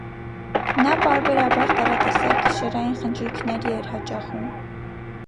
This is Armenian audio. Նա պարբերաբար տարատեսակ գիշերային խնջույքների էր հաճախում։